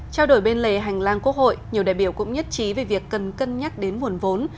trao đổi bên lề hành lang quốc hội nhiều đại biểu cũng nhất trí về việc cần cân nhắc đến nguồn vốn